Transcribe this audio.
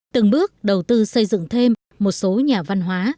từng bước đầu tư xây dựng thêm một số nhà văn hóa